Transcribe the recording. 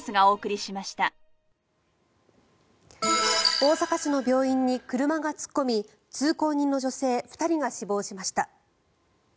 大阪市の病院に車が突っ込み通行人の女性２人が死亡しました。